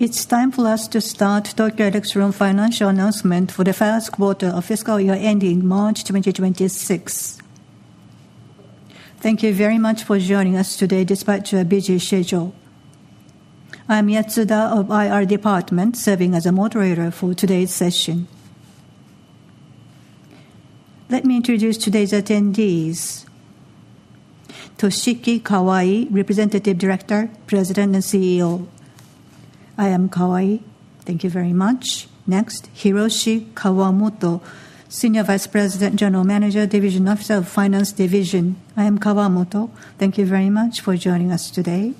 It's time for us to start Tokyo Electron Financial announcement for the first quarter of fiscal year ending March 2026. Thank you very much for joining us today despite your busy schedule. I am Yatsuda of IR Department, serving as a moderator for today's session. Let me introduce today's attendees. Toshiki Kawai, Representative Director, President and CEO. I am Kawai. Thank you very much. Next, Hiroshi Kawamoto, Senior Vice President, General Manager, Division Officer of Finance Division. I am Kawamoto. Thank you very much for joining us today.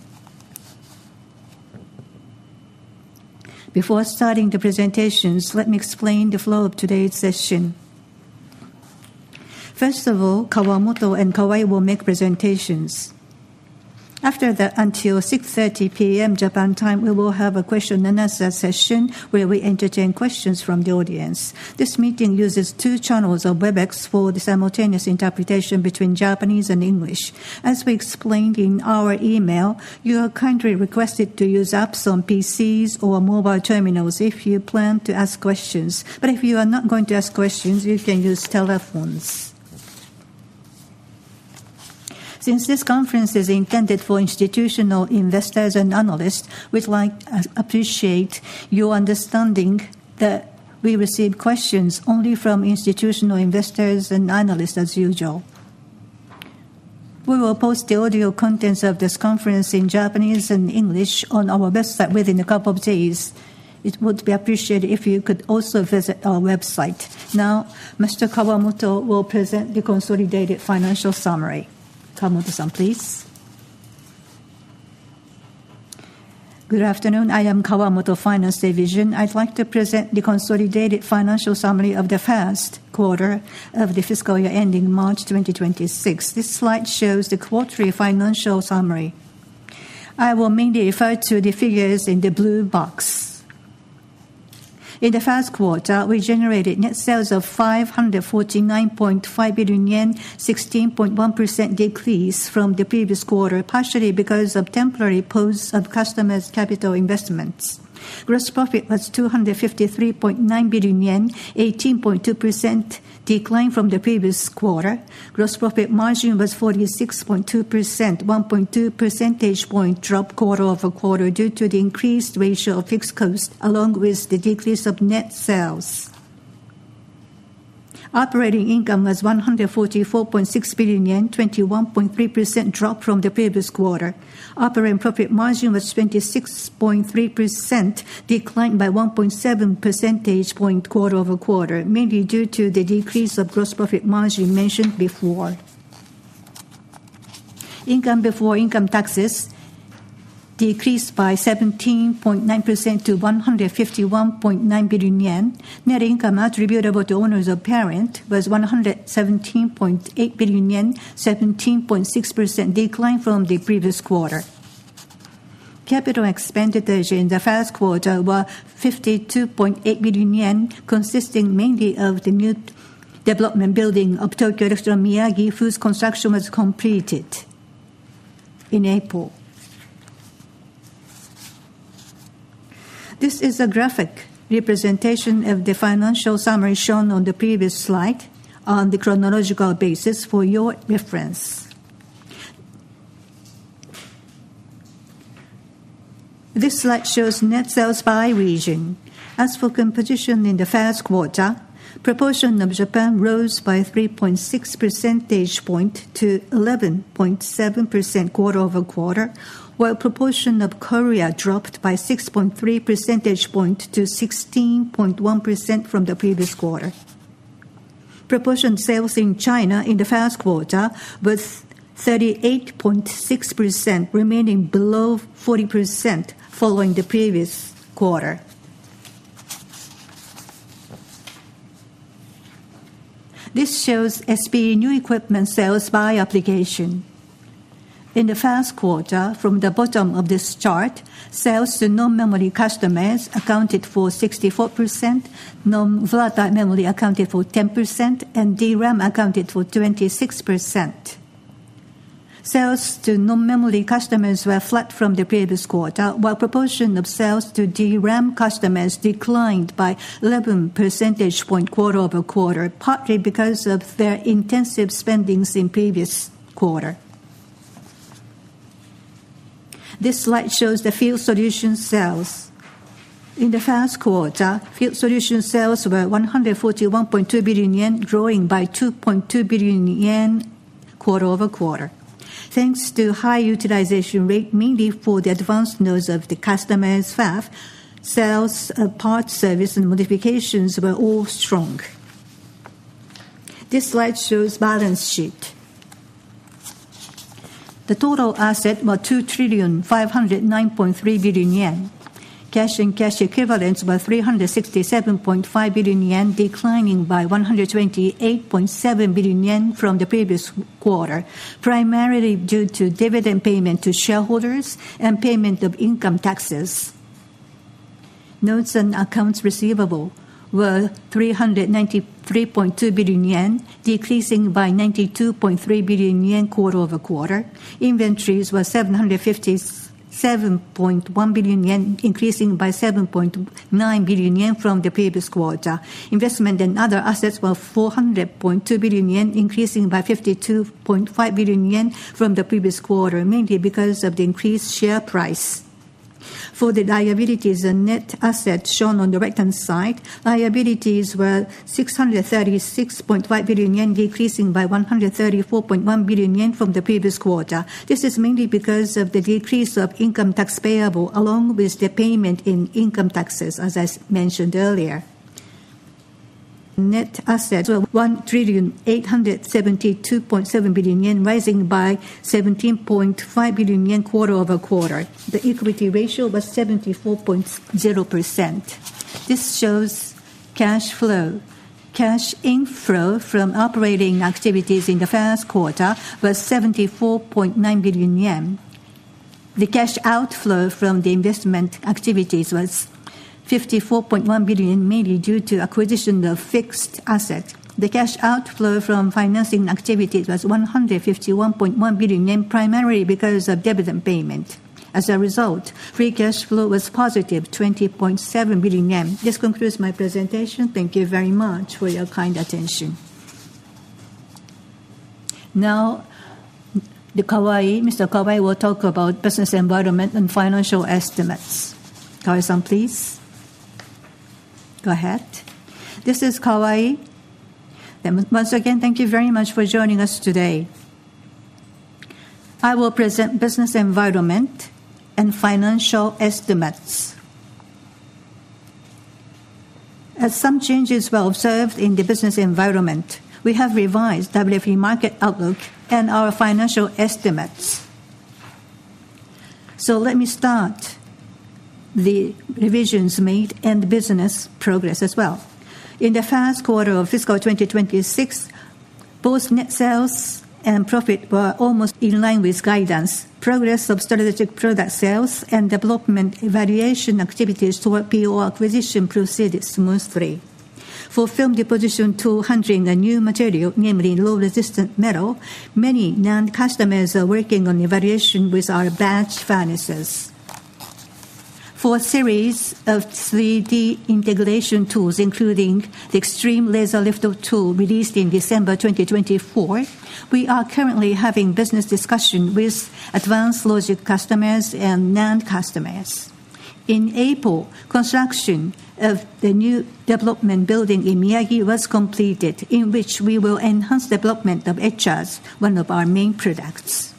Before starting the presentations, let me explain the flow of today's session. First of all, Kawamoto and Kawai will make presentations. After that, until 6:30 P.M. Japan time, we will have a question and answer session where we entertain questions from the audience. This meeting uses two channels of Webex for the simultaneous interpretation between Japanese and English. As we explained in our email, your country requested to use apps on PCs or mobile terminals if you plan to ask questions, but if you are not going to ask questions, you can use telephones. Since this conference is intended for institutional investors and analysts, we'd like to appreciate your understanding that we receive questions only from institutional investors and analysts as usual. We will post the audio contents of this conference in Japanese and English on our website within a couple of days. It would be appreciated if you could also visit our website. Now, Mr. Kawamoto will present the consolidated financial summary. Kawamoto-san, please. Good afternoon. I am Kawamoto, Finance Division. I'd like to present the consolidated financial summary of the first quarter of the fiscal year ending March 2026. This slide shows the quarterly financial summary. I will mainly refer to the figures in the blue box. In the first quarter, we generated net sales of 549.5 billion yen, a 16.1% decrease from the previous quarter, partially because of temporary pause of customers' capital investments. Gross profit was 253.9 billion yen, an 18.2% decline from the previous quarter. Gross profit margin was 46.2%, a 1.2 percentage point drop quarter over quarter due to the increased ratio of fixed costs along with the decrease of net sales. Operating income was 144.6 billion yen, a 21.3% drop from the previous quarter. Operating profit margin was 26.3%, declined by 1.7 percentage points quarter over quarter, mainly due to the decrease of gross profit margin mentioned before. Income before income taxes decreased by 17.9% to 151.9 billion yen. Net income attributable to owners of the parent was 117.8 billion yen, a 17.6% decline from the previous quarter. Capital expenditures in the first quarter were 52.8 billion yen, consisting mainly of the new development building of Tokyo Electron Miyagi, whose construction was completed in April. This is a graphic representation of the financial summary shown on the previous slide on the chronological basis for your reference. This slide shows net sales by region. As for composition in the first quarter, proportion of Japan rose by 3.6 percentage points to 11.7% quarter over quarter, while proportion of Korea dropped by 6.3 percentage points to 16.1% from the previous quarter. Proportion sales in China in the first quarter was 38.6%, remaining below 40% following the previous quarter. This shows SBE new equipment sales by application. In the first quarter, from the bottom of this chart, sales to non-memory customers accounted for 64%. Non-VLADA memory accounted for 10%, and DRAM accounted for 26%. Sales to non-memory customers were flat from the previous quarter, while proportion of sales to DRAM customers declined by 11 percentage points quarter over quarter, partly because of their intensive spendings in the previous quarter. This slide shows the field solution sales. In the first quarter, field solution sales were 141.2 billion yen, growing by 2.2 billion yen quarter over quarter, thanks to high utilization rate, mainly for the advanced nodes of the customer staff, sales, parts service, and modifications were all strong. This slide shows balance sheet. The total asset was JPY 2.509.3 trillion. Cash and cash equivalents were 367.5 billion yen, declining by 128.7 billion yen from the previous quarter, primarily due to dividend payment to shareholders and payment of income taxes. Notes and accounts receivable were 393.2 billion yen, decreasing by 92.3 billion yen quarter over quarter. Inventories were 757.1 billion yen, increasing by 7.9 billion yen from the previous quarter. Investment and other assets were 400.2 billion yen, increasing by 52.5 billion yen from the previous quarter, mainly because of the increased share price. For the liabilities and net assets shown on the right-hand side, liabilities were 636.5 billion yen, decreasing by 134.1 billion yen from the previous quarter. This is mainly because of the decrease of income tax payable along with the payment in income taxes, as I mentioned earlier. Net assets were JPY 1.872.7 trillion, rising by 17.5 billion yen quarter over quarter. The equity ratio was 74.0%. This shows cash flow. Cash inflow from operating activities in the first quarter was 74.9 billion yen. The cash outflow from the investment activities was 54.1 billion, mainly due to acquisition of fixed assets. The cash outflow from financing activities was 151.1 billion yen, primarily because of dividend payment. As a result, free cash flow was positive 20.7 billion yen. This concludes my presentation. Thank you very much for your kind attention. Now, Mr. Kawai will talk about business environment and financial estimates. Kawai-san, please. Go ahead. This is Kawai. Once again, thank you very much for joining us today. I will present business environment and financial estimates. As some changes were observed in the business environment, we have revised WFE market outlook and our financial estimates. Let me start the revisions made and business progress as well. In the first quarter of fiscal 2026, both net sales and profit were almost in line with guidance. Progress of strategic product sales and development evaluation activities toward PO acquisition proceeded smoothly. For film deposition, 200 and new material, namely low-resistant metal, many non-customers are working on evaluation with our batch furnaces. For a series of 3D integration tools, including the extreme laser lift-off tool released in December 2024, we are currently having business discussions with advanced logic customers and non-customers. In April, construction of the new development building in Miyagi was completed, in which we will enhance the development of HRs, one of our main products.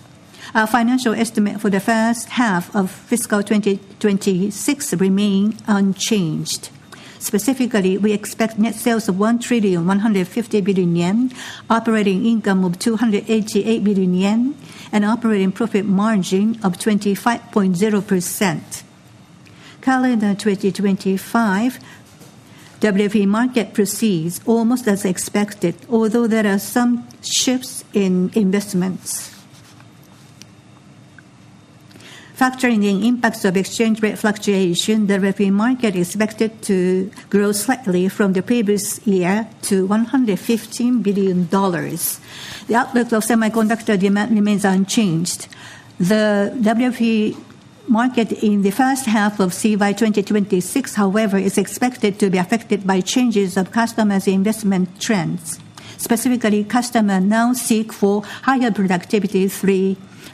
Our financial estimate for the first half of fiscal 2026 remains unchanged. Specifically, we expect net sales of 1.150 trillion, operating income of 288 billion yen, and operating profit margin of 25.0%. Calendar 2025, WFE market proceeds almost as expected, although there are some shifts in investments. Factoring the impacts of exchange rate fluctuation, the WFE market is expected to grow slightly from the previous year to $115 billion. The outlook of semiconductor demand remains unchanged. The WFE market in the first half of CY 2026, however, is expected to be affected by changes of customers' investment trends. Specifically, customers now seek higher productivity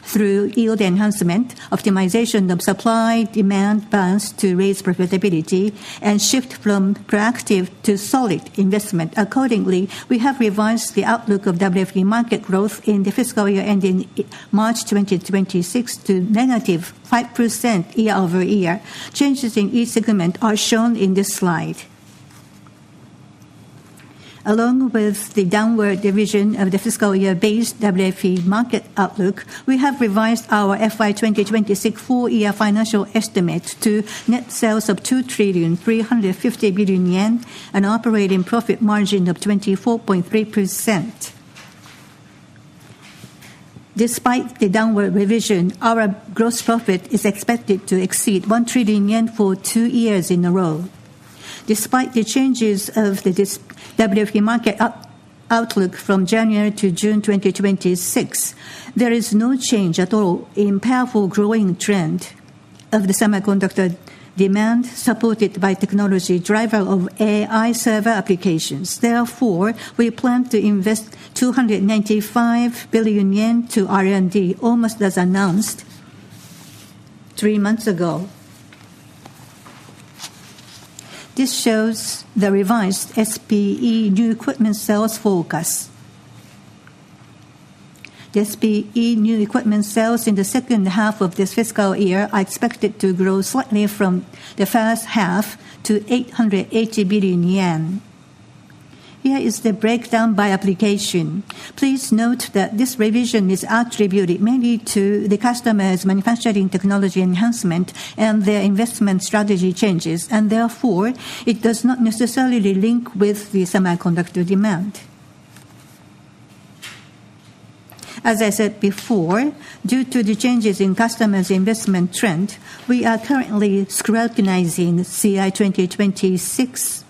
through yield enhancement, optimization of supply-demand balance to raise profitability, and shift from proactive to solid investment. Accordingly, we have revised the outlook of WFE market growth in the fiscal year ending March 2026 to -5% year-over-year. Changes in each segment are shown in this slide. Along with the downward revision of the fiscal-year-based WFE market outlook, we have revised our FY 2026 full-year financial estimate to net sales of 2.350 trillion and operating profit margin of 24.3%. Despite the downward revision, our gross profit is expected to exceed 1 trillion yen for two years in a row. Despite the changes of the WFE market outlook from January to June 2026, there is no change at all in the powerful growing trend of the semiconductor demand, supported by technology drivers of AI server applications. Therefore, we plan to invest 295 billion yen to R&D, almost as announced three months ago. This shows the revised SBE new equipment sales focus. The SBE new equipment sales in the second half of this fiscal year are expected to grow slightly from the first half to 880 billion yen. Here is the breakdown by application. Please note that this revision is attributed mainly to the customers' manufacturing technology enhancement and their investment strategy changes, and therefore it does not necessarily link with the semiconductor demand. As I said before, due to the changes in customers' investment trend, we are currently scrutinizing CY 2026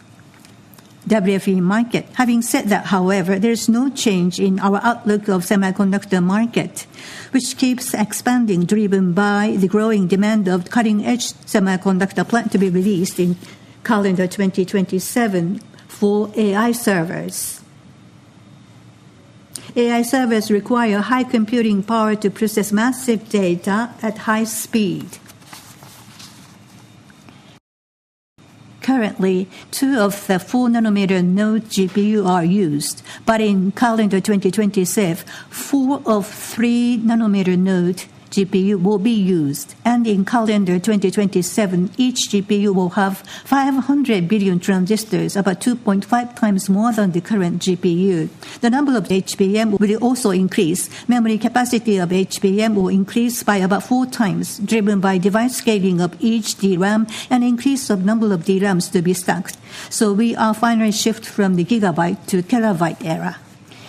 WFE market. Having said that, however, there is no change in our outlook of the semiconductor market, which keeps expanding, driven by the growing demand of cutting-edge semiconductor plants to be released in calendar 2027 for AI servers. AI servers require high computing power to process massive data at high speed. Currently, two of the 4-nanometer-node GPUs are used, but in calendar 2026, four of 3-nanometer-node GPUs will be used, and in calendar 2027, each GPU will have 500 billion transistors, about 2.5 times more than the current GPU. The number of HBM will also increase. Memory capacity of HBM will increase by about four times, driven by device scaling of each DRAM and increase of the number of DRAMs to be stacked. We are finally shifting from the gigabyte to terabyte era.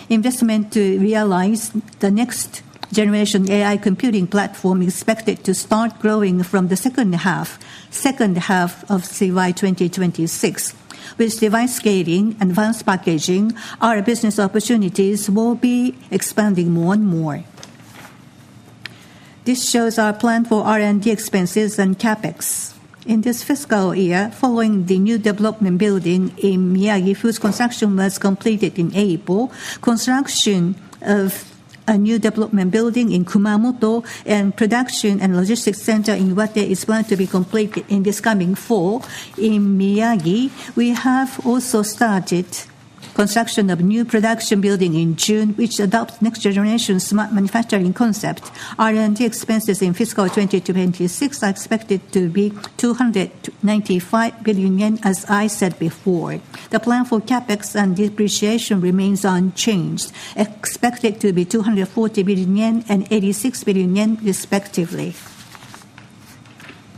Investment to realize, the next generation AI computing platform is expected to start growing from the second half of CY 2026, with device scaling and advanced packaging. Our business opportunities will be expanding more and more. This shows our plan for R&D expenses and CapEx. In this fiscal year, following the new development building in Miyagi whose construction was completed in April, construction of a new development building in Kumamoto and production and logistics center in Iwate is planned to be completed in this coming fall. In Miyagi, we have also started construction of a new production building in June, which adopts next-generation smart manufacturing concept. R&D expenses in fiscal 2026 are expected to be 295 billion yen, as I said before. The plan for CapEx and depreciation remains unchanged, expected to be 240 billion yen and 86 billion yen, respectively.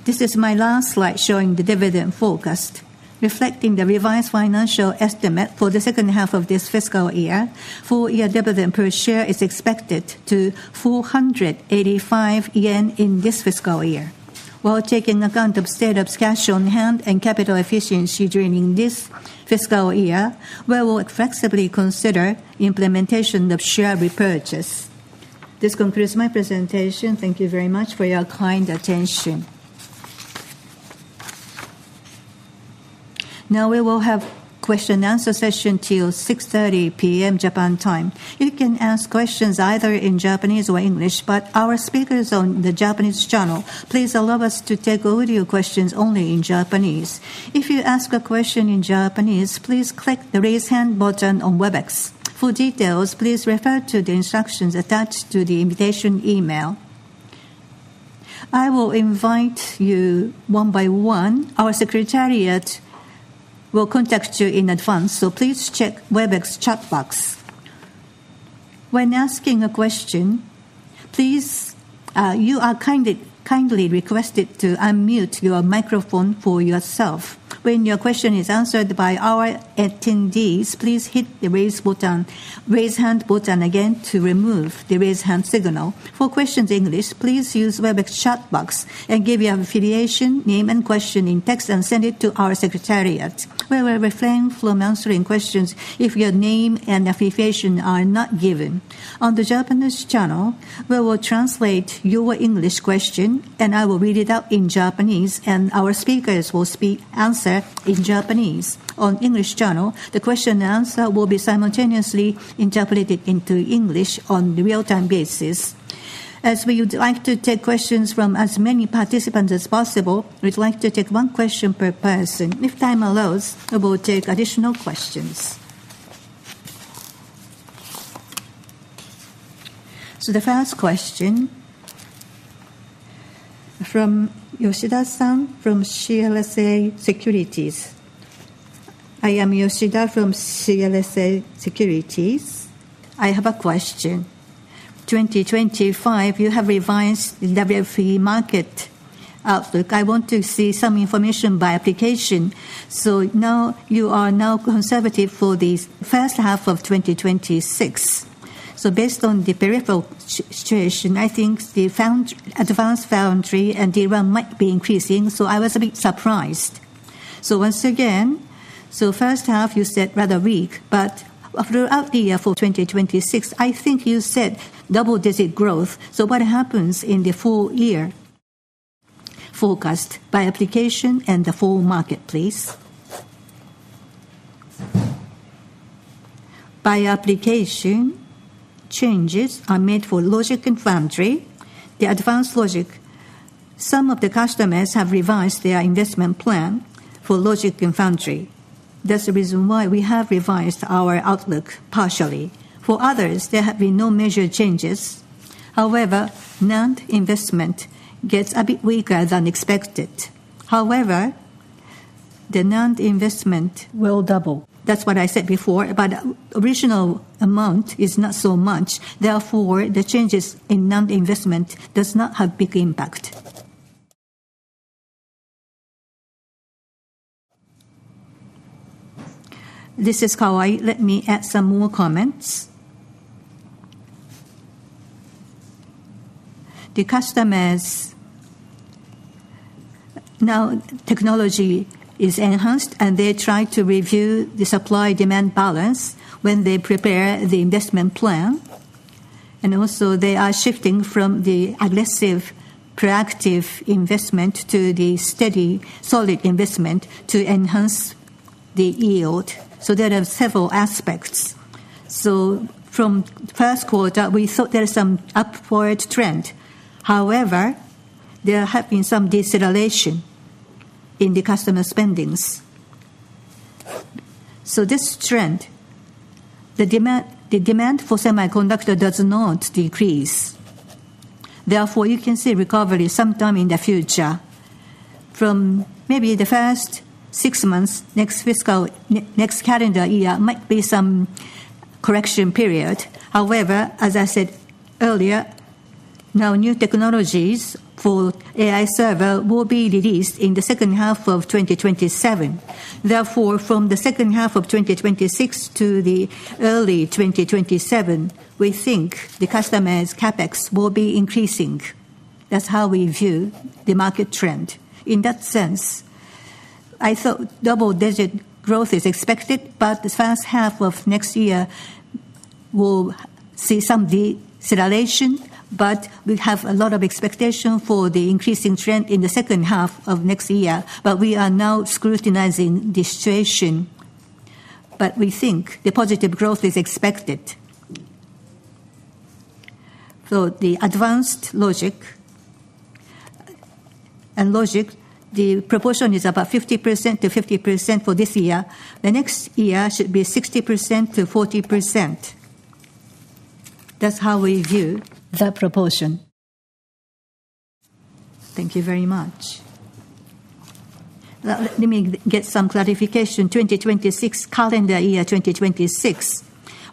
This is my last slide showing the dividend focus. Reflecting the revised financial estimate for the second half of this fiscal year, full-year dividend per share is expected to be 485 yen in this fiscal year. While taking account of state-of-cash on hand and capital efficiency during this fiscal year, we will flexibly consider implementation of share repurchase. This concludes my presentation. Thank you very much for your kind attention. Now we will have a question-and-answer session till 6:30 P.M. Japan time. You can ask questions either in Japanese or English, but our speakers on the Japanese channel please allow us to take audio questions only in Japanese. If you ask a question in Japanese, please click the raise hand button on Webex. For details, please refer to the instructions attached to the invitation email. I will invite you one by one. Our secretariat will contact you in advance, so please check Webex chat box. When asking a question, you are kindly requested to unmute your microphone for yourself. When your question is answered by our attendees, please hit the raise hand button again to remove the raise hand signal. For questions in English, please use Webex chat box and give your affiliation, name, and question in text and send it to our secretariat. We will refrain from answering questions if your name and affiliation are not given. On the Japanese channel, we will translate your English question, and I will read it out in Japanese, and our speakers will answer in Japanese. On the English channel, the question and answer will be simultaneously interpreted into English on a real-time basis. As we would like to take questions from as many participants as possible, we'd like to take one question per person. If time allows, we will take additional questions. The first question from Yoshida-san from CLSA Securities. I am Yoshida from CLSA Securities. I have a question. 2025, you have revised the WFE market outlook. I want to see some information by application. Now you are now conservative for the first half of 2026. Based on the peripheral situation, I think the advanced foundry and DRAM might be increasing, so I was a bit surprised. Once again, first half you said rather weak, but throughout the year for 2026, I think you said double-digit growth. What happens in the full-year, forecast by application and the full market, please. By application, changes are made for logic and foundry. The advanced logic, some of the customers have revised their investment plan for logic and foundry. That's the reason why we have revised our outlook partially. For others, there have been no major changes. However, non-investment gets a bit weaker than expected. The non-investment will double. That's what I said before, but the original amount is not so much. Therefore, the changes in non-investment do not have a big impact. This is Kawai. Let me add some more comments. The customers, now technology is enhanced, and they try to review the supply-demand balance when they prepare the investment plan. They are shifting from the aggressive proactive investment to the steady solid investment to enhance the yield. There are several aspects. From the first quarter, we thought there is some upward trend. However, there have been some deceleration in the customer spendings. This trend, the demand for semiconductor does not decrease. Therefore, you can see recovery sometime in the future. From maybe the first six months, next fiscal next calendar year might be some correction period. However, as I said earlier, now new technologies for AI server will be released in the second half of 2027. Therefore, from the second half of 2026 to the early 2027, we think the customers' CapEx will be increasing. That's how we view the market trend. In that sense, I thought double-digit growth is expected, but the first half of next year will see some deceleration. We have a lot of expectation for the increasing trend in the second half of next year. We are now scrutinizing the situation, but we think the positive growth is expected. The advanced logic and logic, the proportion is about 50% to 50% for this year. Next year should be 60% to 40%. That's how we view that proportion. Thank you very much. Let me get some clarification. 2026 calendar year, 2026.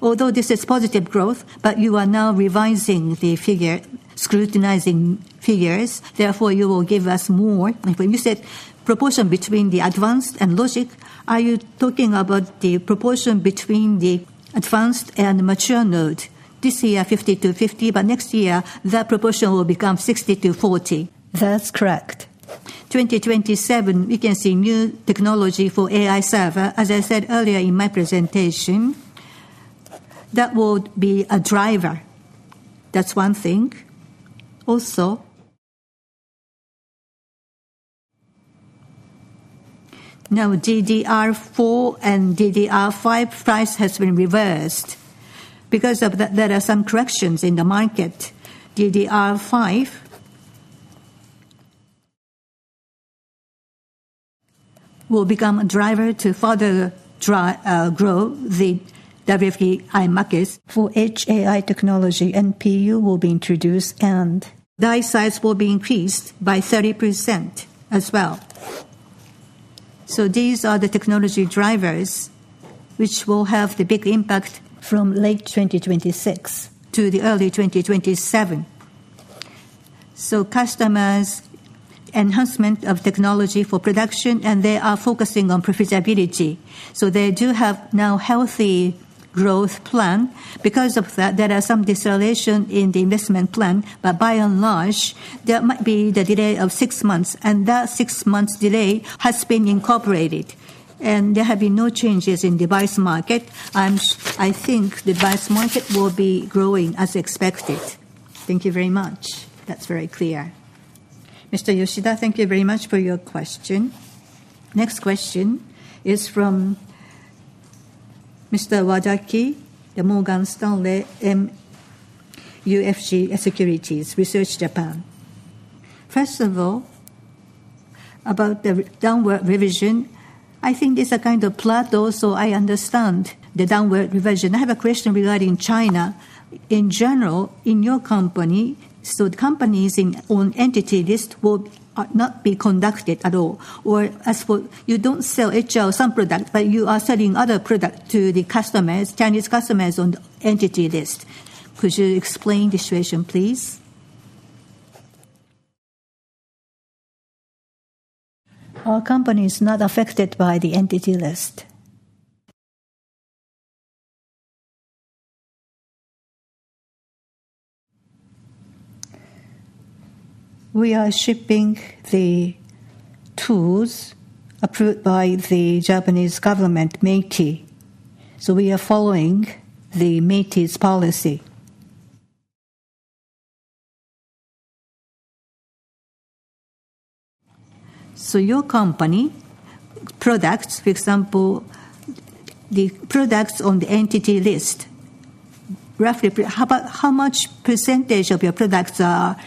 Although this is positive growth, you are now revising the figure, scrutinizing figures. Therefore, you will give us more. When you said proportion between the advanced and logic, are you talking about the proportion between the advanced and mature node? This year, 50 to 50, but next year, that proportion will become 60 to 40. That's correct. 2027, we can see new technology for AI server. As I said earlier in my presentation, that would be a driver. That's one thing. Also, now, DDR4 and DDR5 price has been reversed because there are some corrections in the market. DDR5 will become a driver to further grow the WFE market. For HAI technology, NPU will be introduced and die size will be increased by 30% as well. These are the technology drivers which will have the big impact from late 2026 to early 2027. Customers' enhancement of technology for production, and they are focusing on profitability. They do have now a healthy growth plan. Because of that, there are some deceleration in the investment plan, but by and large, there might be the delay of six months, and that six-month delay has been incorporated. There have been no changes in the device market. I think the device market will be growing as expected. Thank you very much. That's very clear. Mr. Yoshida, thank you very much for your question. Next question is from Mr. Wadaki, the Morgan Stanley MUFG Research Japan. First of all, about the downward revision, I think this is a kind of plot, though, so I understand the downward revision. I have a question regarding China. In general, in your company, so the companies on entity list will not be conducted at all, or as for you don't sell HR some product, but you are selling other products to the customers, Chinese customers on the entity list. Could you explain the situation, please? Our company is not affected by the entity list. We are shipping the tools approved by the Japanese government, METI. We are following the METI's policy. Your company products, for example, the products on the entity list, roughly how much percentage of your products are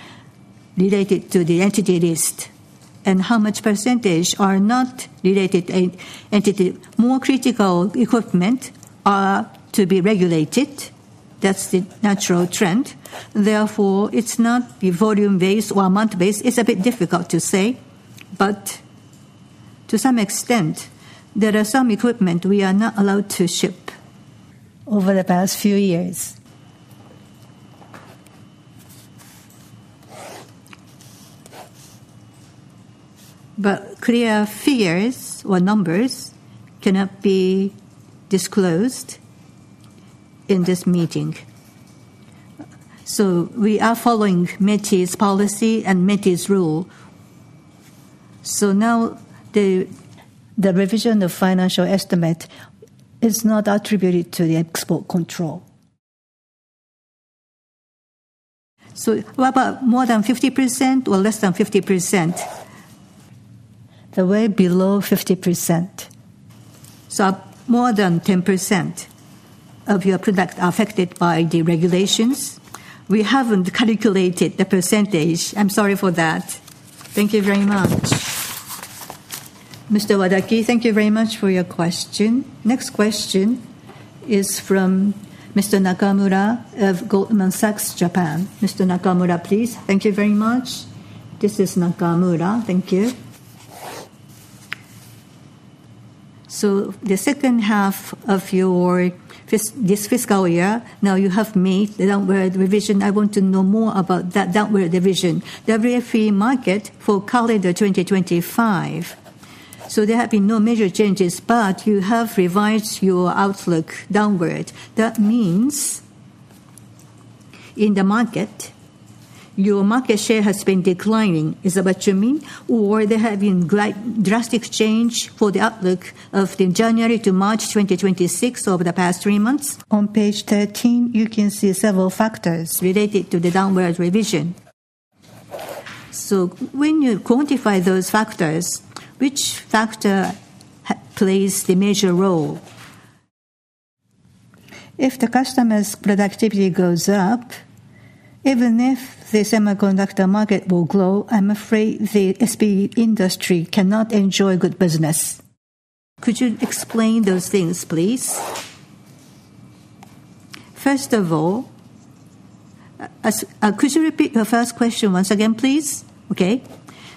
related to the entity list and how much percentage are not related entity. More critical equipment are to be regulated. That's the natural trend. Therefore, it's not the volume-based or amount-based. It's a bit difficult to say, but to some extent, there are some equipment we are not allowed to ship over the past few years. Clear figures or numbers cannot be disclosed in this meeting. We are following METI's policy and METI's rule. The revision of financial estimate is not attributed to the export control. What about more than 50% or less than 50%? Way below 50%. More than 10% of your product are affected by the regulations. We haven't calculated the percentage. I'm sorry for that. Thank you very much. Mr. Wadaki, thank you very much for your question. Next question is from Mr. Nakamura of Goldman Sachs, Japan. Mr. Nakamura, please. Thank you very much. This is Nakamura. Thank you. The second half of your this fiscal year, now you have made the downward revision. I want to know more about that downward revision. WFE market for calendar 2025. There have been no major changes, but you have revised your outlook downward. That means in the market, your market share has been declining. Is that what you mean? There have been drastic changes for the outlook of January to March 2026 over the past three months? On page 13, you can see several factors related to the downward revision. When you quantify those factors, which factor plays the major role? If the customer's productivity goes up, even if the semiconductor market will grow, I'm afraid the SPE industry cannot enjoy good business. Could you explain those things, please? First of all, could you repeat the first question once again, please?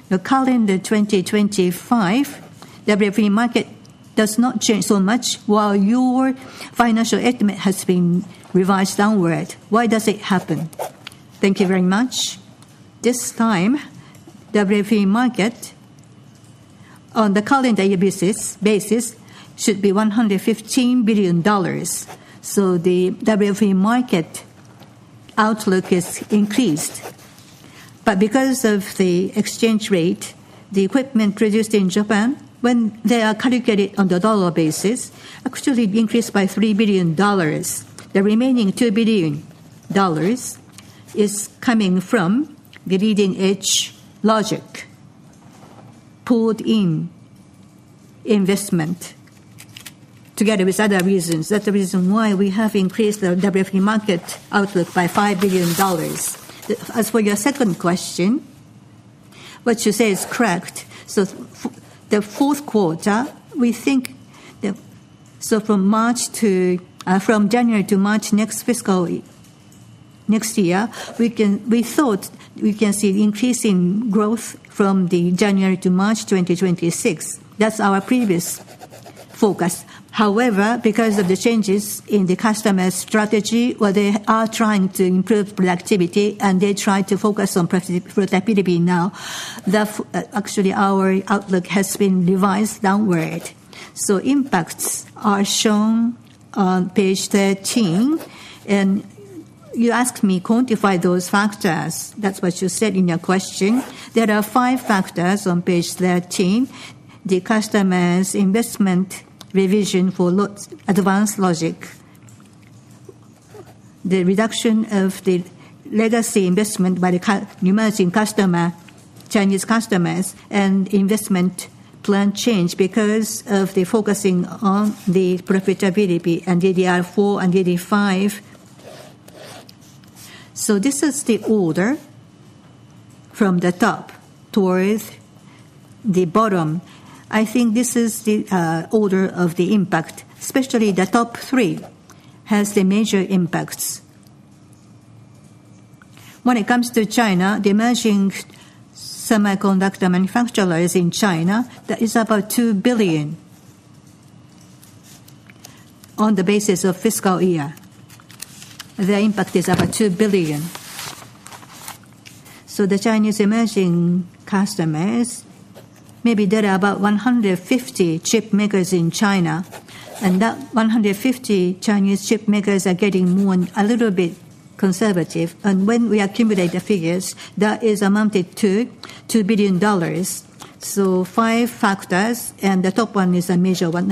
The calendar 2025 WFE market does not change so much while your financial estimate has been revised downward. Why does it happen? Thank you very much. This time, WFE market on the calendar year basis should be $115 billion. The WFE market outlook is increased, but because of the exchange rate, the equipment produced in Japan, when they are calculated on the dollar basis, actually increased by $3 billion. The remaining $2 billion is coming from the leading-edge logic pulled in investment together with other reasons. That's the reason why we have increased the WFE market outlook by $5 billion. As for your second question, what you say is correct. The fourth quarter, we think from January to March next fiscal, next year, we thought we can see increasing growth from January to March 2026. That's our previous focus. However, because of the changes in the customer strategy, where they are trying to improve productivity and they try to focus on productivity now, actually our outlook has been revised downward. Impacts are shown on page 13. You asked me to quantify those factors. That's what you said in your question. There are five factors on page 13: the customer's investment revision for advanced logic, the reduction of the legacy investment by the emerging customer, Chinese customers, and investment plan change because of the focusing on the profitability and DDR4 and DDR5. This is the order from the top towards the bottom. I think this is the order of the impact, especially the top three have the major impacts. When it comes to China, the emerging semiconductor manufacturers in China, that is about $2 billion. On the basis of fiscal year, the impact is about $2 billion. The Chinese emerging customers, maybe there are about 150 chip makers in China, and that 150 Chinese chip makers are getting more and a little bit conservative. When we accumulate the figures, that is amounted to $2 billion. Five factors, and the top one is a major one.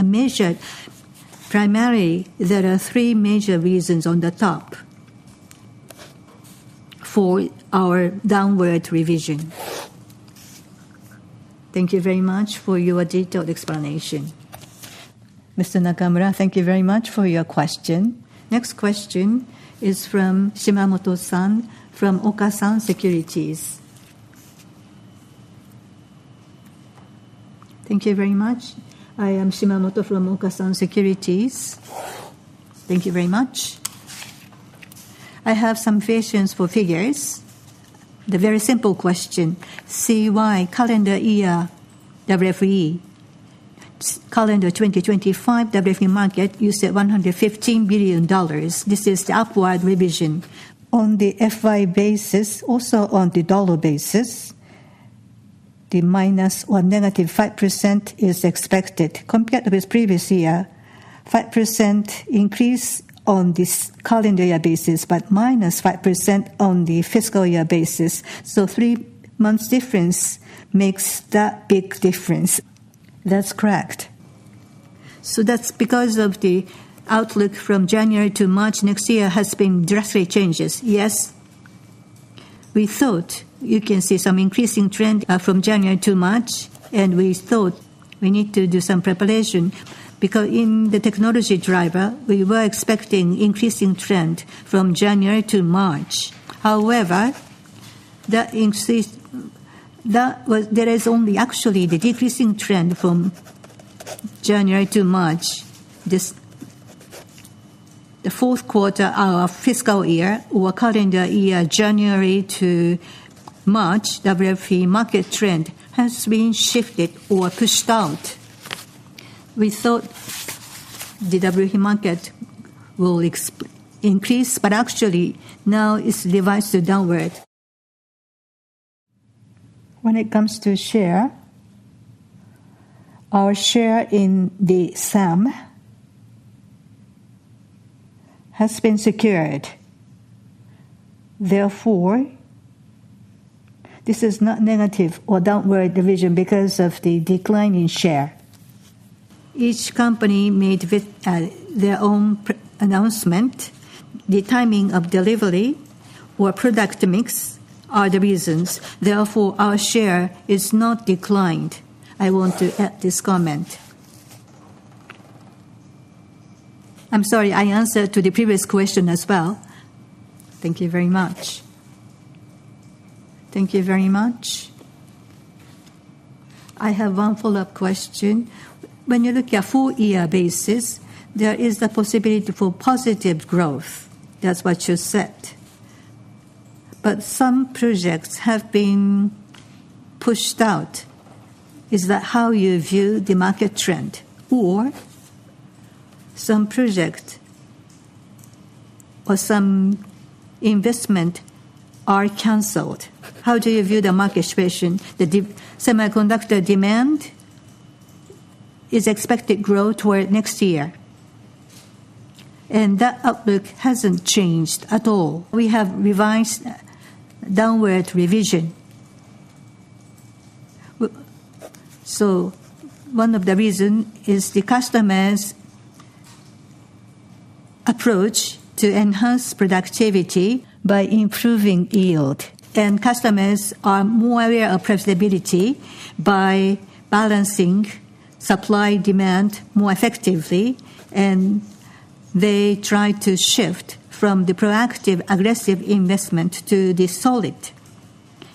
Primarily, there are three major reasons on the top for our downward revision. Thank you very much for your detailed explanation. Mr. Nakamura, thank you very much for your question. Next question is from Shimamoto-san from Okasan Securities. Thank you very much. I am Shimamoto from Okasan Securities. Thank you very much. I have some questions for figures. The very simple question, CY calendar year, WFE. Calendar 2025, WFE market, you said $115 billion. This is the upward revision. On the FY basis, also on the dollar basis, the minus or negative 5% is expected. Compared with previous year, 5% increase on the calendar year basis, but -5% on the fiscal year basis. Three months difference makes that big difference. That's correct. That's because of the outlook from January to March next year has been drastic changes. Yes. We thought you can see some increasing trend from January to March, and we thought we need to do some preparation because in the technology driver, we were expecting increasing trend from January to March. However, that increase, there is only actually the decreasing trend from January to March. The fourth quarter of our fiscal year or calendar year January to March, WFE market trend has been shifted or pushed out. We thought the WFE market will increase, but actually now it's revised to downward. When it comes to share, our share in the SAM has been secured. Therefore, this is not negative or downward division because of the decline in share. Each company made their own announcement. The timing of delivery or product mix are the reasons. Therefore, our share is not declined. I want to add this comment. I'm sorry, I answered to the previous question as well. Thank you very much. Thank you very much. I have one follow-up question. When you look at a full-year basis, there is the possibility for positive growth. That's what you said. Some projects have been pushed out. Is that how you view the market trend? Some projects or some investment are canceled? How do you view the market situation? The semiconductor demand is expected to grow toward next year, and that outlook hasn't changed at all. We have revised downward revision. One of the reasons is the customer's approach to enhance productivity by improving yield, and customers are more aware of profitability by balancing supply-demand more effectively. They try to shift from the proactive-aggressive investment to the solid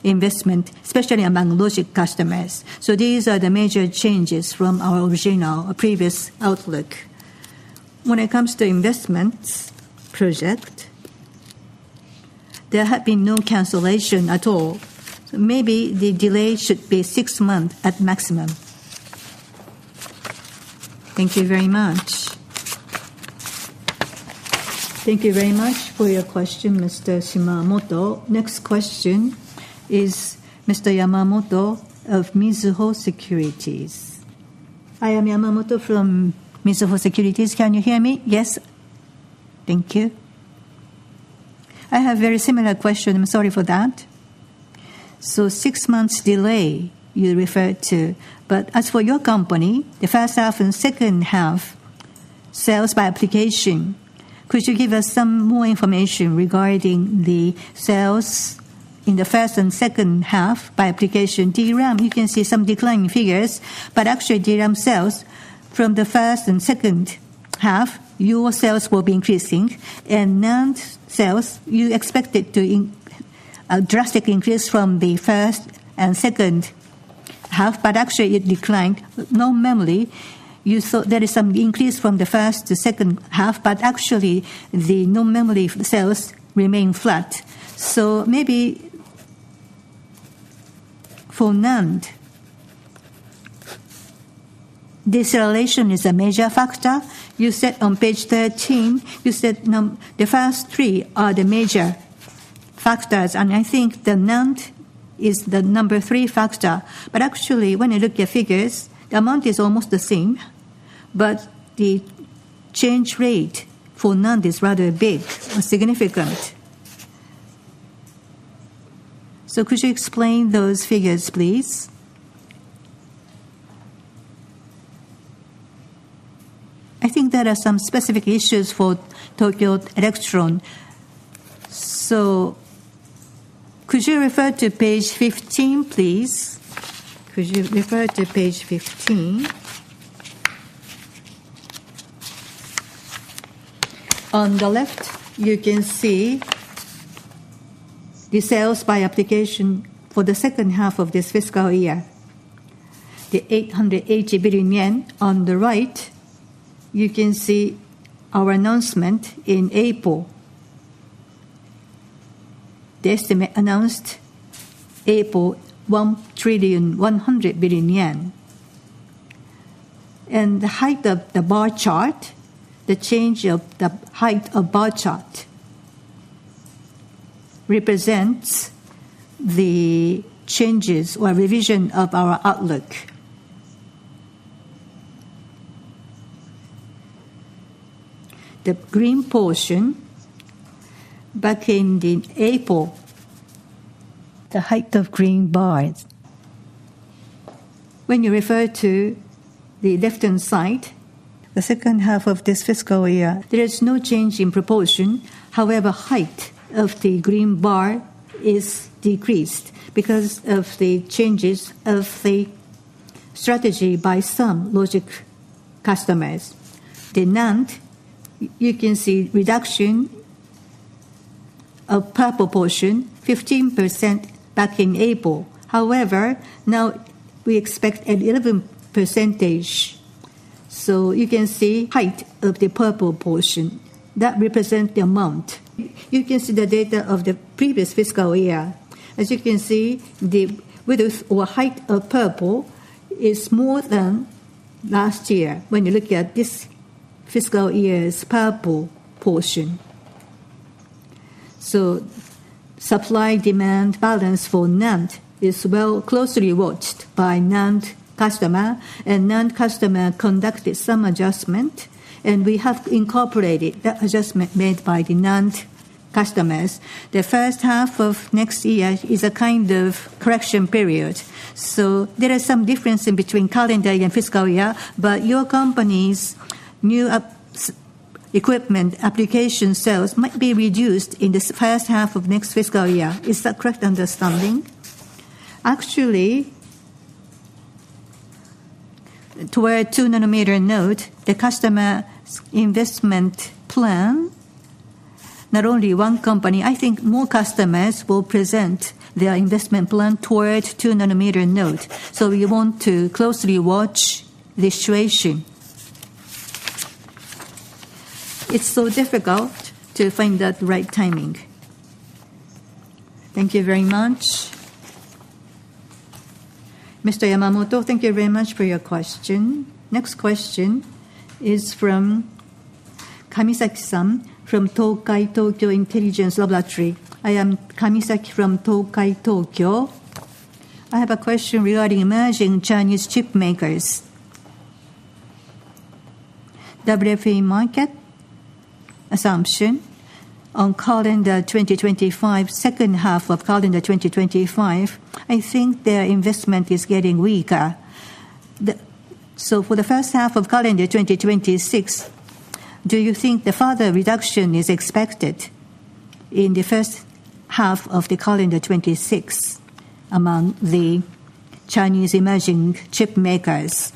investment, especially among logic customers. These are the major changes from our original previous outlook. When it comes to investments project, there have been no cancellations at all. Maybe the delay should be six months at maximum. Thank you very much. Thank you very much for your question, Mr. Shimamoto. Next question is Mr. Yamamoto of Mizuho Securities. I am Yamamoto from Mizuho Securities. Can you hear me? Yes. Thank you. I have a very similar question. I'm sorry for that. Six months delay, you referred to. As for your company, the first half and second half sales by application, could you give us some more information regarding the sales in the first and second half by application? DRAM, you can see some declining figures, but actually DRAM sales from the first and second half, your sales will be increasing. Non-sales, you expected to a drastic increase from the first and second half, but actually it declined. Non-memory, you thought there is some increase from the first to second half, but actually the non-memory sales remain flat. Maybe for NAND, deceleration is a major factor. You said on page 13, you said the first three are the major factors, and I think the NAND is the number three factor. Actually, when you look at figures, the amount is almost the same, but the change rate for NAND is rather big or significant. Could you explain those figures, please? I think there are some specific issues for Tokyo Electron. Could you refer to page 15, please? Could you refer to page 15? On the left, you can see the sales by application for the second half of this fiscal year. The 880 billion yen on the right, you can see our announcement in April. The estimate announced April, 1.1 trillion. The height of the bar chart, the change of the height of the bar chart, represents the changes or revision of our outlook. The green portion, back in April, the height of green bars. When you refer to the left-hand side, the second half of this fiscal year, there is no change in proportion. However, the height of the green bar is decreased because of the changes of the strategy by some logic customers. The NAND, you can see reduction of purple portion, 15% back in April. However, now we expect 11%. You can see the height of the purple portion that represents the amount. You can see the data of the previous fiscal year. As you can see, the width or height of purple is more than last year when you look at this fiscal year's purple portion. Supply-demand balance for NAND is well closely watched by NAND customers. NAND customers conducted some adjustments, and we have incorporated that adjustment made by the NAND customers. The first half of next year is a kind of correction period. There is some difference between calendar year and fiscal year, but your company's new equipment application sales might be reduced in the first half of next fiscal year. Is that a correct understanding? Actually, toward a 2-nanometer-node, the customer investment plan, not only one company. I think more customers will present their investment plan toward a 2-nanometer-node. We want to closely watch the situation. It's so difficult to find that right timing. Thank you very much. Mr. Yamamoto, thank you very much for your question. Next question is from Kamisaki-san from Tokai Tokyo Intelligence Laboratory. I am Kamisaki from Tokai Tokyo. I have a question regarding emerging Chinese chip makers. WFE market assumption on calendar 2025, second half of calendar 2025, I think their investment is getting weaker. For the first half of calendar 2026, do you think the further reduction is expected in the first half of calendar 2026 among the Chinese emerging chip makers?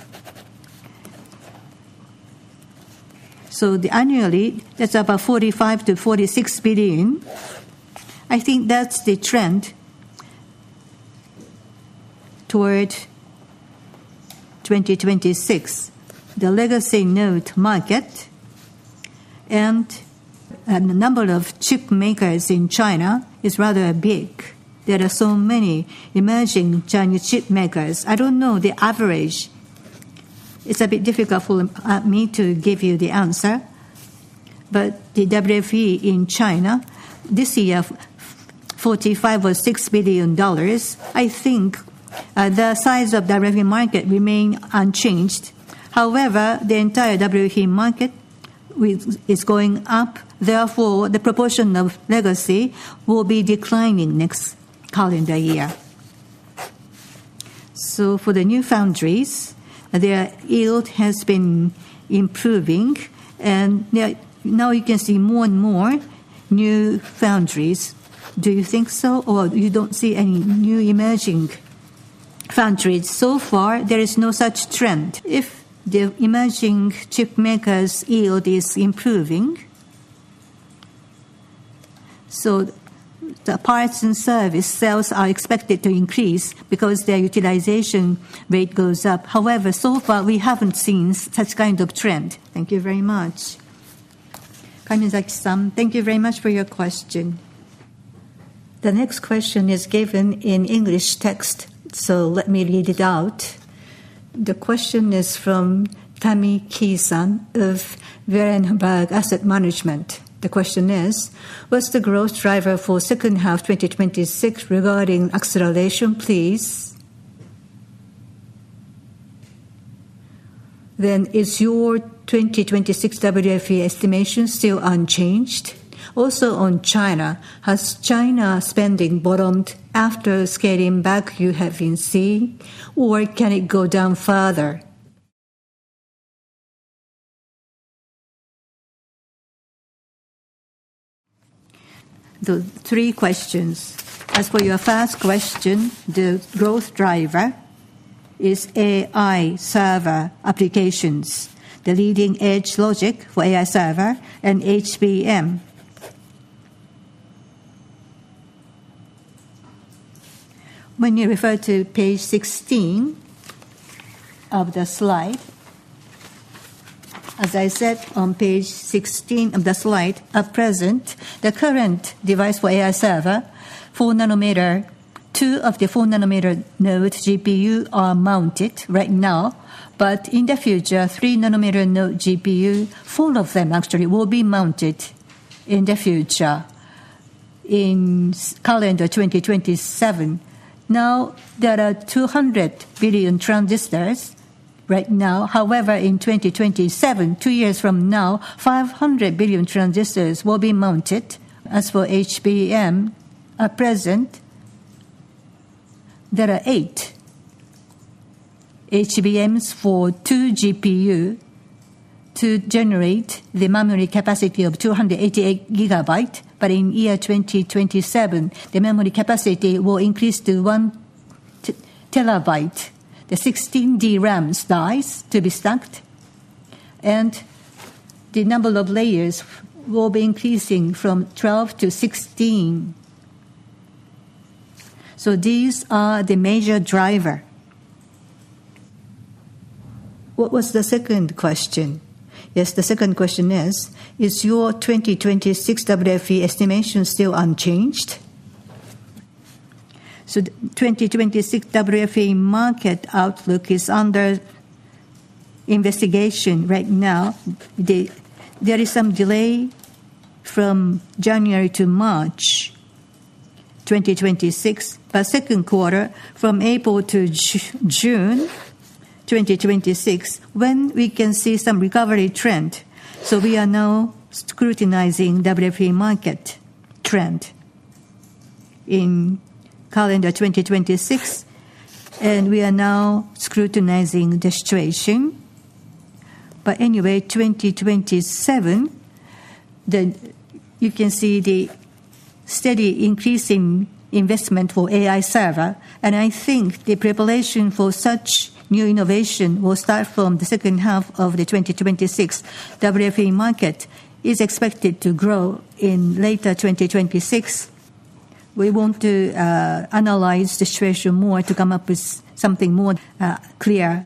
Annually, that's about $45 billion-$46 billion. I think that's the trend toward 2026. The legacy node market and the number of chip makers in China is rather big. There are so many emerging Chinese chip makers. I don't know the average. It's a bit difficult for me to give you the answer. The WFE in China this year, $45 billion-$46 billion, I think, the size of the WFE market remains unchanged, however, the entire WFE market is going up. Therefore, the proportion of legacy will be declining next calendar year. For the new foundries, their yield has been improving. Now you can see more and more new foundries. Do you think so, or you don't see any new emerging foundries? So far, there is no such trend. If the emerging chip makers' yield is improving, the parts and service sales are expected to increase because their utilization rate goes up. However, so far, we haven't seen such kind of trend. Thank you very much. Kamisaki-san, thank you very much for your question. The next question is given in English text, so let me read it out. The question is from Tamiki-san of Verenberg Asset Management. The question is, what's the growth driver for second half 2026 regarding acceleration, please? Is your 2026 WFE estimation still unchanged? Also, on China, has China's spending bottomed after scaling back you have been seeing, or can it go down further? Three questions. As for your first question, the growth driver is AI server applications, the leading-edge logic for AI server and HBM. When you refer to page 16 of the slide, as I said on page 16 of the slide, at present, the current device for AI server, 4-nanometer, two of the 4-nanometer-node GPU are mounted right now, but in the future, 3-nanometer-node GPU, four of them actually, will be mounted in the future in calendar 2027. Now, there are 200 billion transistors right now. In 2027, two years from now, 500 billion transistors will be mounted. As for HBM, at present, there are eight HBMs for two GPUs to generate the memory capacity of 288 GB, but in year 2027, the memory capacity will increase to 1 TB. The 16 DRAM size to be stacked, and the number of layers will be increasing from 12 to 16. These are the major drivers. What was the second question? Yes, the second question is, is your 2026 WFE estimation still unchanged? The 2026 WFE market outlook is under investigation right now. There is some delay from January to March 2026, but second quarter from April to June 2026, we can see some recovery trend. We are now scrutinizing WFE market trend in calendar 2026, and we are now scrutinizing the situation. Anyway, 2027, you can see the steady increase in investment for AI server, and I think the preparation for such new innovation will start from the second half of the 2026 WFE market is expected to grow in later 2026. We want to analyze the situation more to come up with something more clear.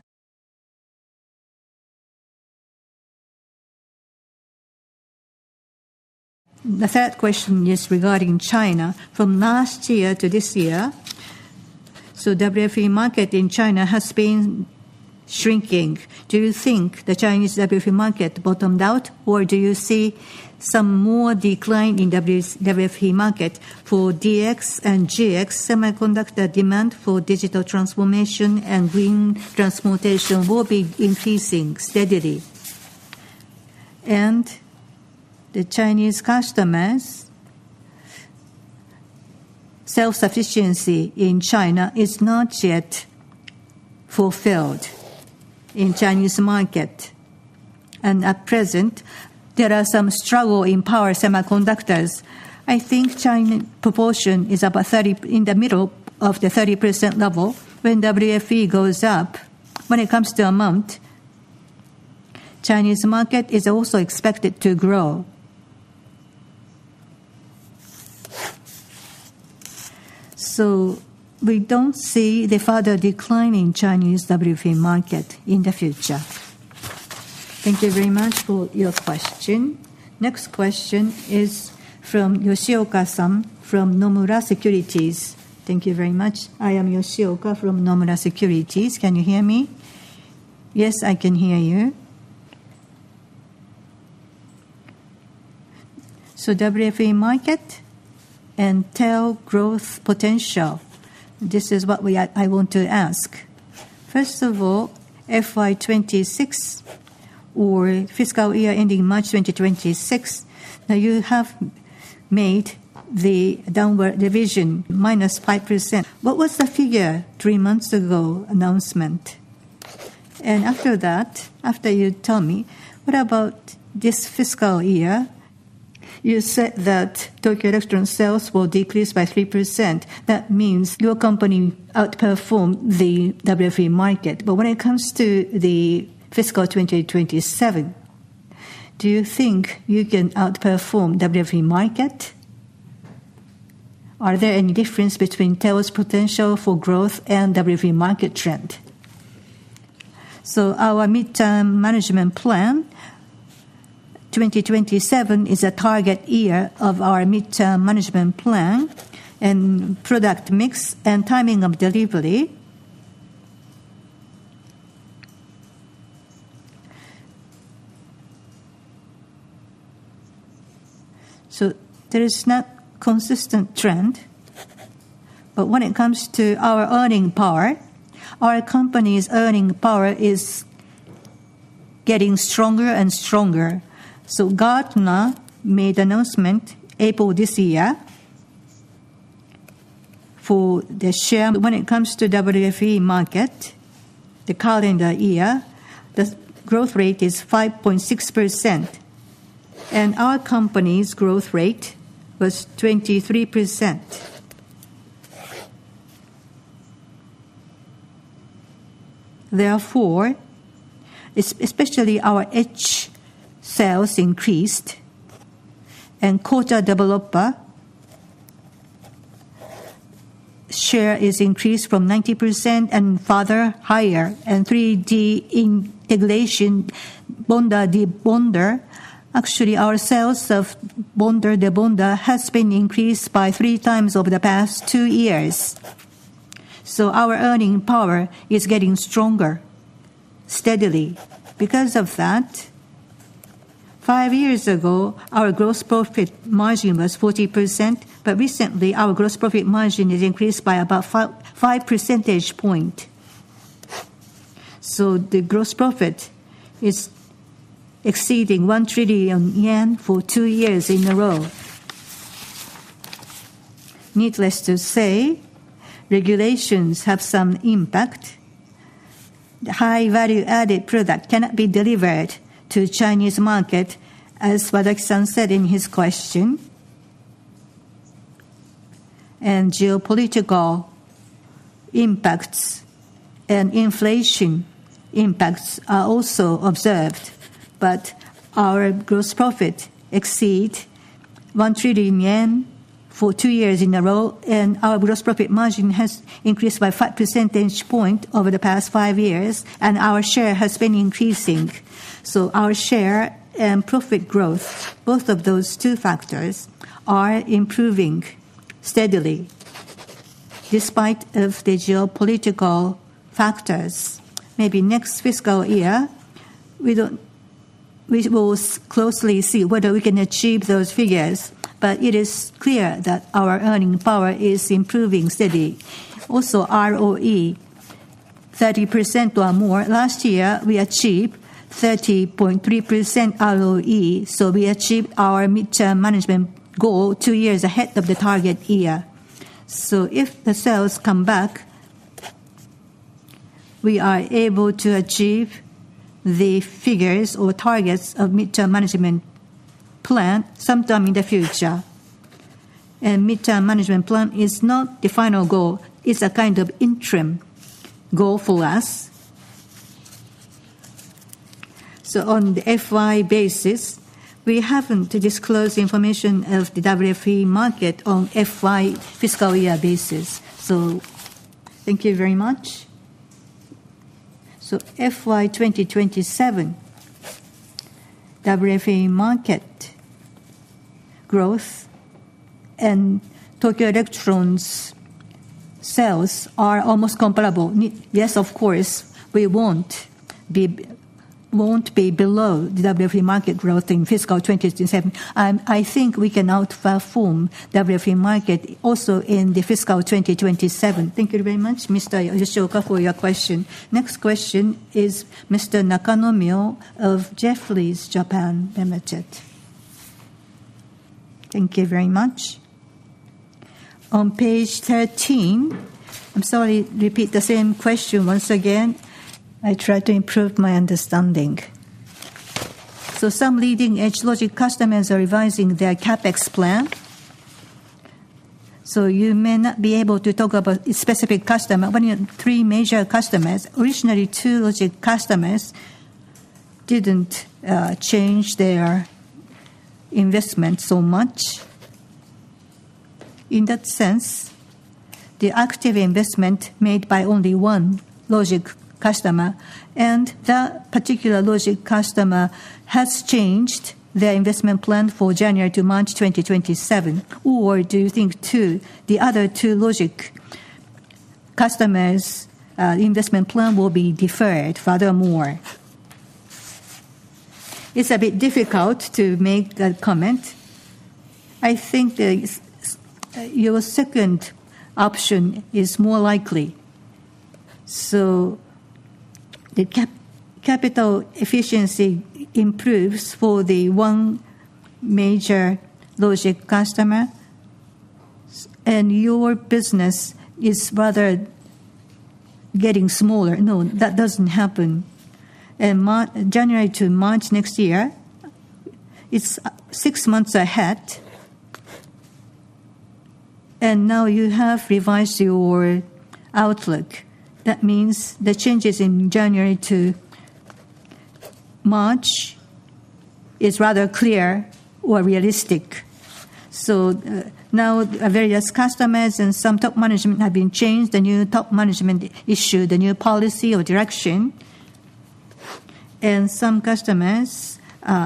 The third question is regarding China. From last year to this year, the WFE market in China has been shrinking. Do you think the Chinese WFE market bottomed out, or do you see some more decline in WFE market for DX and GX semiconductor demand for digital transformation and green transportation will be increasing steadily? The Chinese customers' self-sufficiency in China is not yet fulfilled in Chinese market. At present, there are some struggles in power semiconductors. I think China proportion is about 30 in the middle of the 30% level. When WFE goes up, when it comes to amount, Chinese market is also expected to grow. We don't see the further decline in Chinese WFE market in the future. Thank you very much for your question. Next question is from Yoshio Oka-san from Nomura Securities. Thank you very much. I am Yoshio Oka from Nomura Securities. Can you hear me? Yes, I can hear you. WFE market and TEL growth potential. This is what I want to ask. First of all, FY26 or fiscal year ending March 2026. Now, you have made the downward revision -5%. What was the figure three months ago announcement? After that, after you tell me, what about this fiscal year? You said that Tokyo Electron sales will decrease by 3%. That means your company outperformed the WFE market. When it comes to the fiscal 2027, do you think you can outperform WFE market? Are there any differences between TEL's potential for growth and WFE market trend? Our mid-term management plan, 2027 is a target year of our mid-term management plan. Product mix and timing of delivery, so there is not a consistent trend. When it comes to our earning power, our company's earning power is getting stronger and stronger. Gartner made an announcement April this year for the share. When it comes to WFE market, the calendar year, the growth rate is 5.6%. Our company's growth rate was 23%. Therefore, especially our H sales increased. Coater/developer share is increased from 90% and further higher. 3D integration, Bonda de Bonda, actually our sales of Bonda de Bonda has been increased by three times over the past two years. Our earning power is getting stronger steadily because of that. Five years ago, our gross profit margin was 40%, but recently our gross profit margin has increased by about 5 percentage points. The gross profit is exceeding 1 trillion yen for two years in a row. Needless to say, regulations have some impact. The high value-added product cannot be delivered to the Chinese market, as was said in his question. Geopolitical impacts and inflation impacts are also observed, but our gross profit exceeds 1 trillion yen for two years in a row, and our gross profit margin has increased by 5 percentage points over the past five years, and our share has been increasing. Our share and profit growth, both of those two factors, are improving steadily. Despite the geopolitical factors, maybe next fiscal year we will closely see whether we can achieve those figures, but it is clear that our earning power is improving steadily. Also, ROE 30% or more. Last year, we achieved 30.3% ROE, so we achieved our mid-term management goal two years ahead of the target year. If the sales come back, we are able to achieve the figures or targets of mid-term management plan sometime in the future. The mid-term management plan is not the final goal. It's a kind of interim goal for us. On the FY basis, we haven't disclosed information of the Wafer Fab Equipment (WFE) market on FY fiscal year basis. Thank you very much. FY 2027 WFE market growth and Tokyo Electron Limited's sales are almost comparable. Yes, of course, we won't be below the WFE market growth in fiscal 2027. I think we can outperform WFE market also in fiscal 2027. Thank you very much, Mr. Yoshio Oka, for your question. Next question is Mr. Nakanomyo of Jefferies Japan Ltd. Thank you very much. On page 13, I'm sorry, repeat the same question once again. I try to improve my understanding. Some leading-edge logic customers are revising their CapEx plan. You may not be able to talk about specific customers. Three major customers, originally two logic customers, didn't change their investment so much. In that sense, the active investment made by only one logic customer, and that particular logic customer has changed their investment plan for January to March 2027. Do you think the other two logic customers' investment plan will be deferred furthermore? It's a bit difficult to make that comment. I think your second option is more likely. The capital efficiency improves for the one major logic customer, and your business is rather getting smaller. No, that doesn't happen. January to March next year, it's six months ahead. Now you have revised your outlook. That means the changes in January to March is rather clear or realistic. Various customers and some top management have been changed. The new top management issued a new policy or direction. Some customers'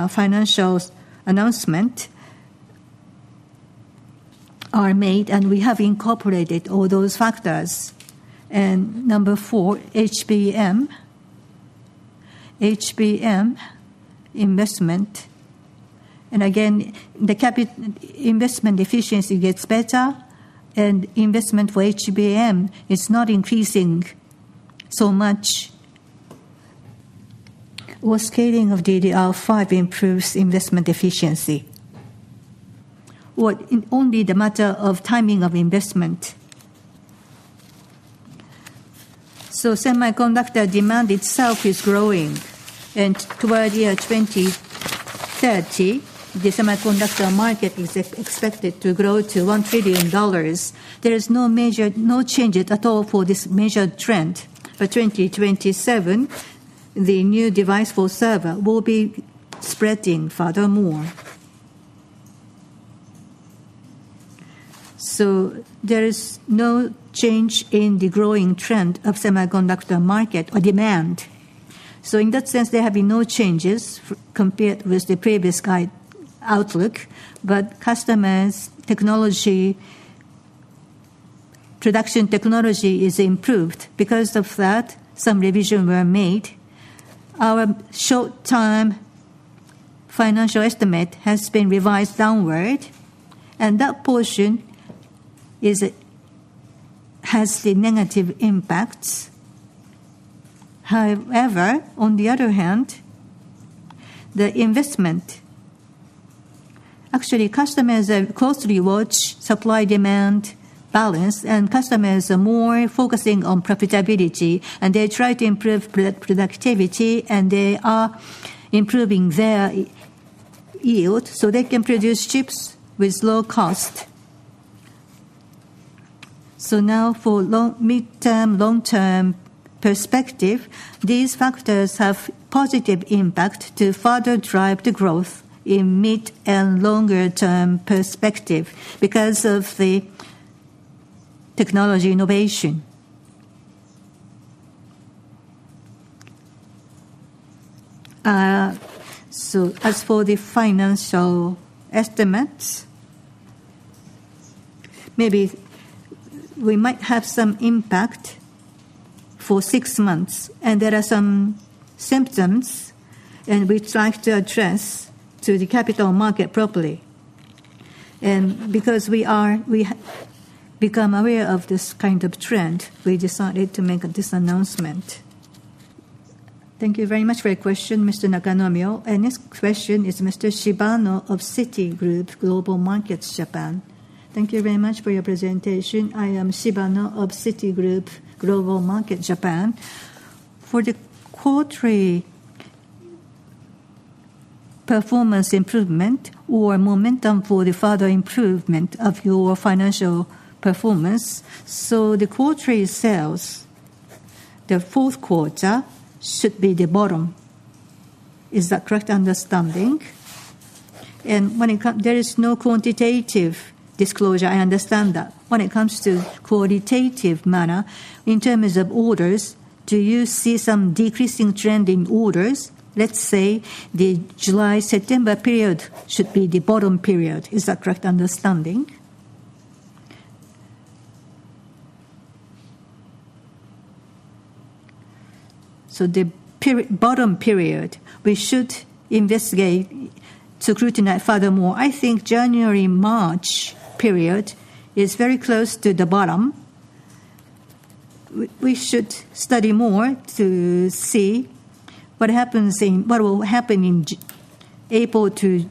financial announcements are made, and we have incorporated all those factors. Number four, HBM. HBM investment. The investment efficiency gets better, and investment for HBM is not increasing so much. Scaling of DDR5 improves investment efficiency, or only the matter of timing of investment. Semiconductor demand itself is growing, and toward year 2030, the semiconductor market is expected to grow to $1 trillion. There is no change at all for this measured trend. For 2027, the new device for server will be spreading furthermore. There is no change in the growing trend of semiconductor market or demand. In that sense, there have been no changes compared with the previous guide outlook, but customers' technology, production technology is improved. Because of that, some revisions were made. Our short-term financial estimate has been revised downward, and that portion has negative impacts. However, on the other hand, the investment, actually, customers closely watch supply-demand balance, and customers are more focusing on profitability, and they try to improve productivity, and they are improving their yield so they can produce chips with low cost. For long mid-term, long-term perspective, these factors have a positive impact to further drive the growth in mid and longer-term perspective because of the technology innovation. As for the financial estimates, maybe we might have some impact for six months, and there are some symptoms, and we try to address to the capital market properly. Because we become aware of this kind of trend, we decided to make this announcement. Thank you very much for your question, Mr. Nakanomyo. Next question is Mr. Shibano of Citigroup Global Markets Japan. Thank you very much for your presentation. I am Shibano of Citigroup Global Markets Japan. For the quarterly performance improvement or momentum for the further improvement of your financial performance, the quarterly sales, the fourth quarter should be the bottom. Is that a correct understanding? When it comes, there is no quantitative disclosure. I understand that. When it comes to qualitative manner, in terms of orders, do you see some decreasing trend in orders? Let's say the July-September period should be the bottom period. Is that a correct understanding? The bottom period, we should investigate to scrutinize furthermore. I think January-March period is very close to the bottom. We should study more to see what happens in what will happen in April to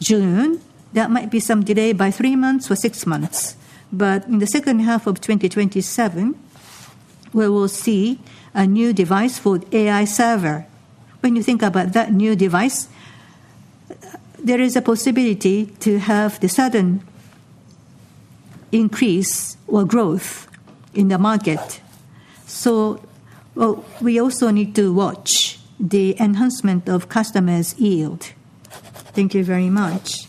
June. That might be some delay by three months or six months. In the second half of 2027, we will see a new device for AI server. When you think about that new device, there is a possibility to have the sudden increase or growth in the market. We also need to watch the enhancement of customers' yield. Thank you very much.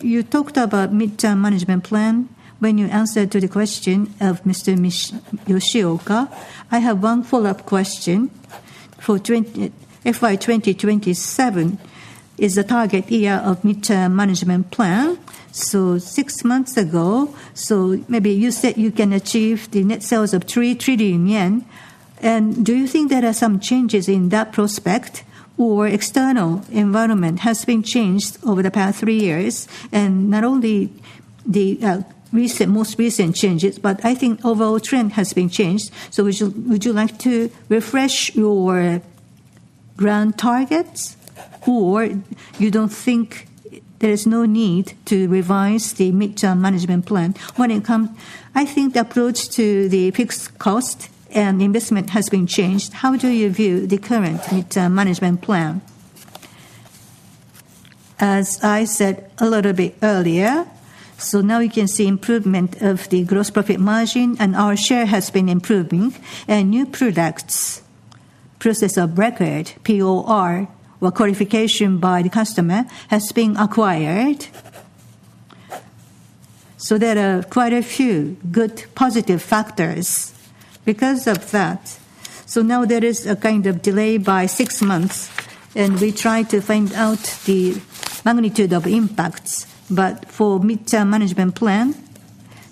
You talked about mid-term management plan. When you answered to the question of Mr. Atsushi Yoshioka, I have one follow-up question. For FY 2027 is the target year of mid-term management plan. Six months ago, maybe you said you can achieve the net sales of 3 trillion yen. Do you think there are some changes in that prospect or external environment has been changed over the past three years? Not only the most recent changes, but I think overall trend has been changed. Would you like to refresh your grand targets or you don't think there is no need to revise the mid-term management plan? When it comes, I think the approach to the fixed cost and investment has been changed. How do you view the current mid-term management plan? As I said a little bit earlier, now you can see improvement of the gross profit margin and our share has been improving. New products, process of record, POR, or qualification by the customer has been acquired. There are quite a few good positive factors because of that. Now there is a kind of delay by six months, and we try to find out the magnitude of impacts. For mid-term management plan,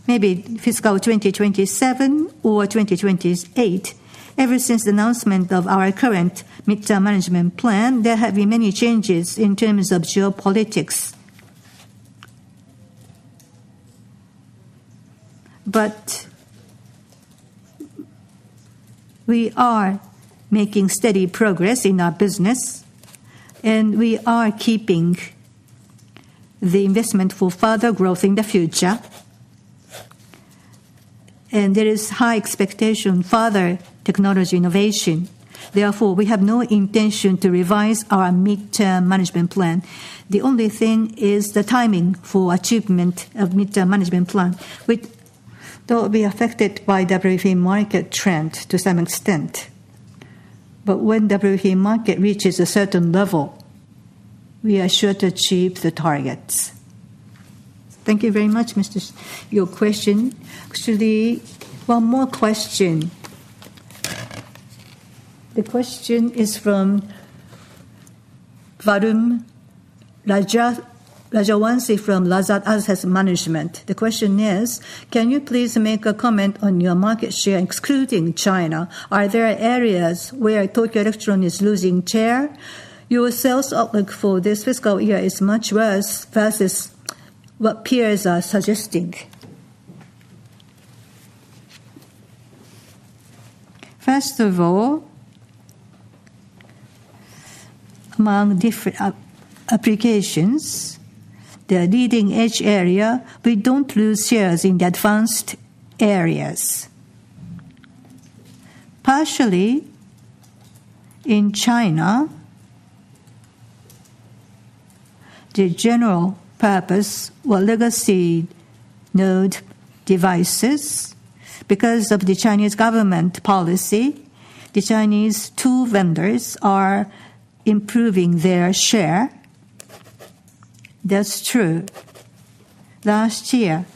maybe fiscal 2027 or 2028, ever since the announcement of our current mid-term management plan, there have been many changes in terms of geopolitics. We are making steady progress in our business. We are keeping the investment for further growth in the future. There is high expectation for further technology innovation. Therefore, we have no intention to revise our mid-term management plan. The only thing is the timing for achievement of mid-term management plan. Though we are affected by the WFE market trend to some extent, when the WFE market reaches a certain level. We are sure to achieve the targets. Thank you very much for your question. Actually, one more question. The question is from Varun Rajvanshi from Lazard Asset Management. The question is, can you please make a comment on your market share excluding China? Are there areas where Tokyo Electron is losing share? Your sales outlook for this fiscal year is much worse versus what peers are suggesting. First of all, among different applications, the leading-edge area, we don't lose shares in the advanced areas. Partially, in China, the general purpose or legacy node devices, because of the Chinese government policy, the Chinese two vendors are improving their share. That's true. Last year,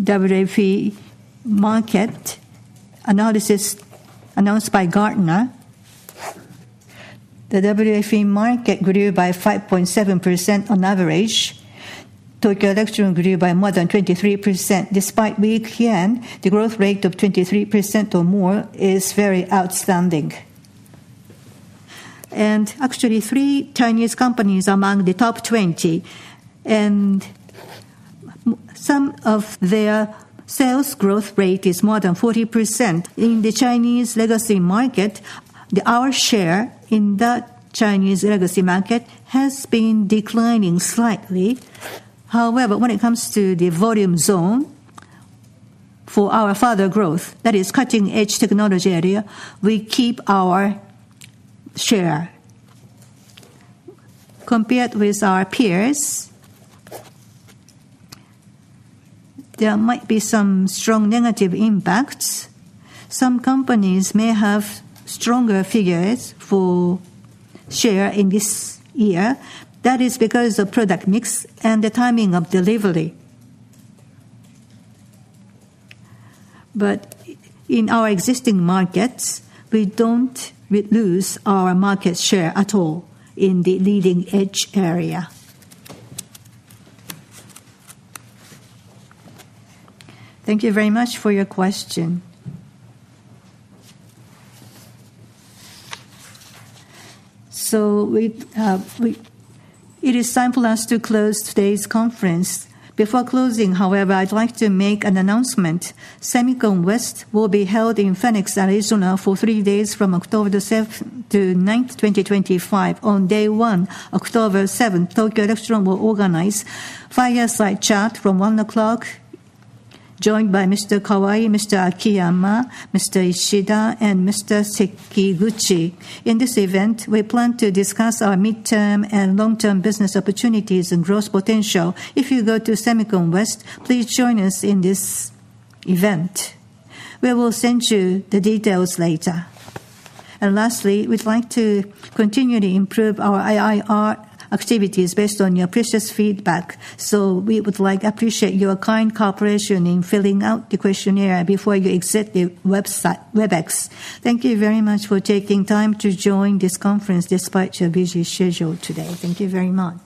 WFE market analysis announced by Gartner, the WFE market grew by 5.7% on average. Tokyo Electron grew by more than 23%. Despite weak yen, the growth rate of 23% or more is very outstanding. Actually, three Chinese companies are among the top 20, and some of their sales growth rate is more than 40%. In the Chinese legacy market, our share in that Chinese legacy market has been declining slightly. However, when it comes to the volume zone for our further growth, that is cutting-edge technology area, we keep our share. Compared with our peers, there might be some strong negative impacts. Some companies may have stronger figures for share in this year. That is because of product mix and the timing of delivery. In our existing markets, we don't lose our market share at all in the leading-edge area. Thank you very much for your question. It is time for us to close today's conference. Before closing, however, I'd like to make an announcement. SEMICON West will be held in Phoenix, Arizona, for three days from October 7th to 9th, 2025. On day one, October 7th, Tokyo Electron will organize Fireside Chat from 1:00 P.M., joined by Mr. Kawai, Mr. Akiyama, Mr. Ishida, and Mr. Sekiguchi. In this event, we plan to discuss our mid-term and long-term business opportunities and growth potential. If you go to SEMICON West, please join us in this event. We will send you the details later. Lastly, we'd like to continue to improve our IR activities based on your precious feedback. We would like to appreciate your kind cooperation in filling out the questionnaire before you exit the Webex. Thank you very much for taking time to join this conference despite your busy schedule today. Thank you very much.